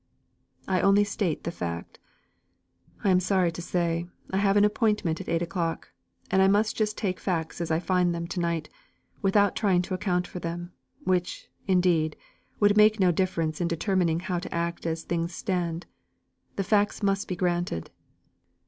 "I only state the fact. I am sorry to say, I have an appointment at eight o'clock, and I must just take facts as I find them to night, without trying to account for them; which, indeed, would make no difference in determining how to act as things stand the facts must be granted."